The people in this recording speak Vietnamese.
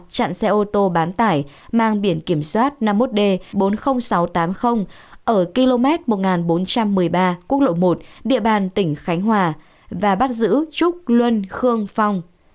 chặn xe ô tô bán tải mang biển kiểm soát năm mươi một d bốn mươi nghìn sáu trăm tám mươi ở km một nghìn bốn trăm một mươi ba quốc lộ một địa bàn tỉnh khánh hòa và bắt giữ trúc luân khương phong